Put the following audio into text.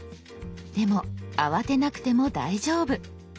でも慌てなくても大丈夫。